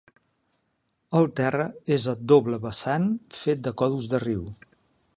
El terra és a doble vessant fet de còdols de riu.